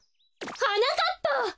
はなかっぱ！